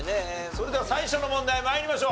それでは最初の問題参りましょう。